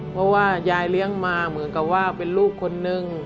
เพราะว่ายายเลี้ยงมาเหมือนกับว่าเป็นลูกคนนึง